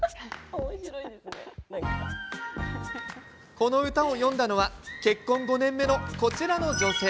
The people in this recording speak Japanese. この歌を詠んだのは結婚５年目のこちらの女性。